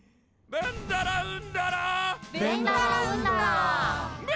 ベンダラウンダラ。